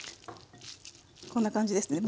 こんな感じですね。